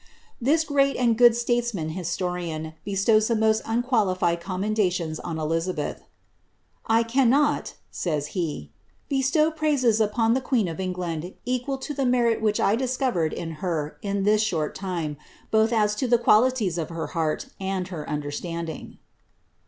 ^ This great and good statesman historian bestows the most unqualified eonunendations on Elizabeth :^^ I cannot,'^ says he, ^ bestow praises upon the queen of England equal to the merit which I discovered in her in this short time, both as to the qualities of her heart and her un derstanding.''